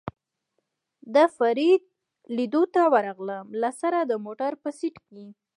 د فرید او لېدلو ته ورغلم، له سره د موټر په سېټ کې.